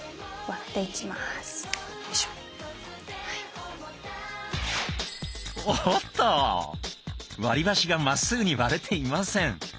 割りばしがまっすぐに割れていません。